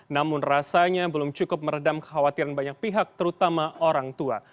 namun rasanya belum cukup meredam kekhawatiran banyak pihak terutama orang tua